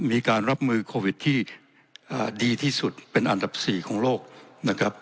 มีการรับมือโควิดที่ดีที่สุดเป็นอันดับ๔ของโลกนะครับ